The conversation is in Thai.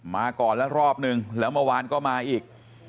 มาก่อนแล้วรอบนึงแล้วเมื่อวานก็มาอีก